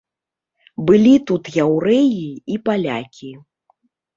Былі тут яўрэі і палякі.